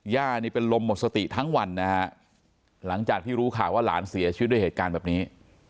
ย่านี่เป็นลมหมดสติทั้งวันนะฮะหลังจากที่รู้ข่าวว่าหลานเสียชีวิตด้วยเหตุการณ์แบบนี้